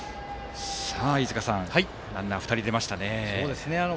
飯塚さん、ランナーが２人出ましたね。